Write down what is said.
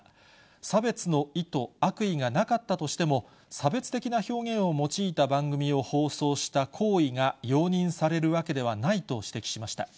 差別の意図、悪意がなかったとしても、差別的な表現を用いた番組を放送した行為が容認されるわけではないと指摘しました。